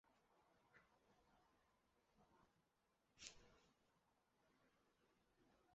尖裂荚果蕨为球子蕨科荚果蕨属下的一个变种。